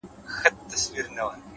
تکرار مهارت ته ژوند ورکوي,